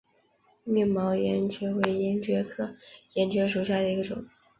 密毛岩蕨为岩蕨科岩蕨属下的一个种。